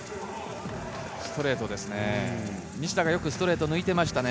ストレートですね。